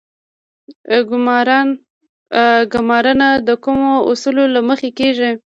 ګمارنه د کومو اصولو له مخې کیږي؟